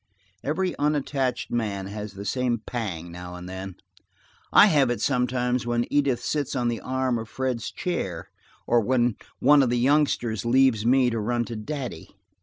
Every unattached man has the same pang now and then. I have it sometimes when Edith sits on the arm of Fred's chair, or one of the youngsters leaves me to run to "daddy."